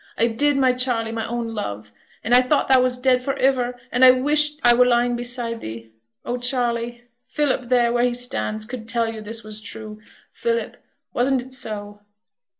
I did, my Charley, my own love! And I thought thou was dead for iver, and I wished I were lying beside thee. Oh, Charley! Philip, theere, where he stands, could tell yo' this was true. Philip, wasn't it so?'